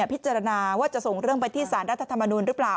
พิจารณาว่าจะส่งเรื่องไปที่สารรัฐธรรมนูลหรือเปล่า